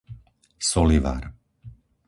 Solivar